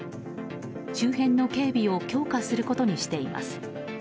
周辺の警備を強化することにしています。